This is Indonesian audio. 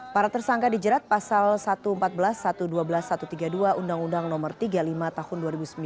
para tersangka dijerat pasal satu ratus empat belas satu dua belas satu ratus tiga puluh dua undang undang no tiga puluh lima tahun dua ribu sembilan